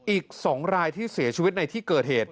อีก๒รายที่เสียชีวิตในที่เกิดเหตุ